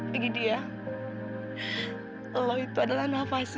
bagi dia lo itu adalah nafasnya